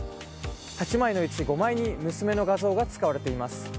８枚のうち５枚に娘の画像が使われています。